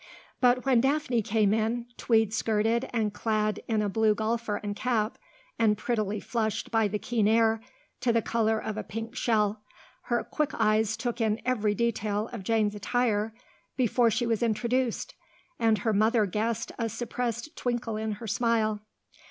But when Daphne came in, tweed skirted, and clad in a blue golfer and cap, and prettily flushed by the keen air to the colour of a pink shell, her quick eyes took in every detail of Jane's attire before she was introduced, and her mother guessed a suppressed twinkle in her smile.